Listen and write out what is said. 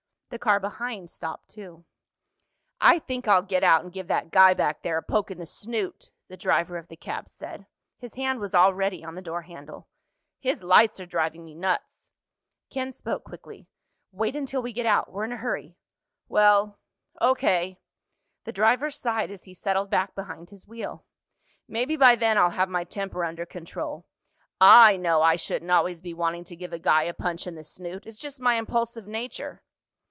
The car behind stopped too. "I think I'll get out and give that guy back there a poke in the snoot," the driver of the cab said. His hand was already on the door handle. "His lights are driving me nuts." Ken spoke quickly. "Wait until we get out. We're in a hurry." "Well—O.K." The driver sighed as he settled back behind his wheel. "Maybe by then I'll have my temper under control. I know I shouldn't always be wanting to give a guy a punch in the snoot. It's just my impulsive nature."